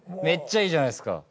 めっちゃいいじゃないですか。